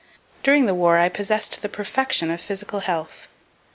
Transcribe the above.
During the war I possess'd the perfection of physical health.